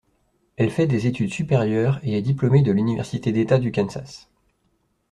Elle fait des études supérieures et est diplômée de l'université d'État du Kansas.